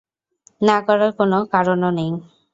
না করার কোন কারণও নেই।